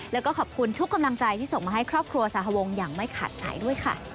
แล้วก็ขอบคุณทุกกำลังใจที่ส่งมาให้ครอบครัวสหวงอย่างไม่ขาดสายด้วยค่ะ